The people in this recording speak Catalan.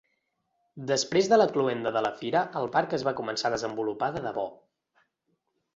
Després de la cloenda de la fira, el parc es va començar a desenvolupar de debò.